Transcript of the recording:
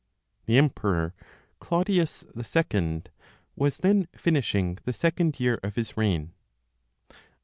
The emperor Claudius II was then finishing the second year of his reign.